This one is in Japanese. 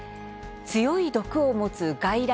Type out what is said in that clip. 強い毒を持つ外来